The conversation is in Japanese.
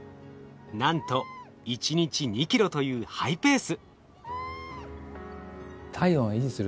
なんと１日２ｋｇというハイペース。